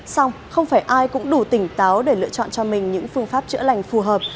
xong không phải ai cũng đủ tỉnh táo để lựa chọn cho mình những phương pháp chữa lành phù hợp